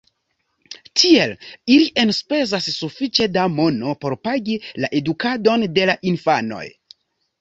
Tiel ili enspezas sufiĉe da mono por pagi la edukadon de la infanoj.